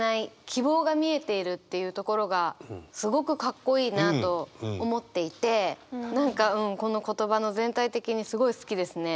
希望が見えているっていうところがすごくかっこいいなと思っていて何かうんこの言葉の全体的にすごい好きですね。